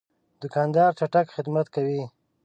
دوکاندار چټک خدمت کوي.